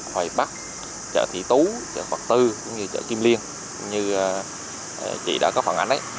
hoài bắc chợ thị tú chợ phật tư cũng như chợ kim liên như chị đã có phản ánh